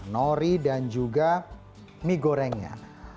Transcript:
nori dan juga mie gorengnya